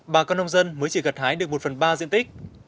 bà con nông dân mới chỉ gật hái được một phần ba diện tích